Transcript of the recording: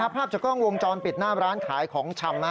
ภาพจากกล้องวงจรปิดหน้าร้านขายของชำ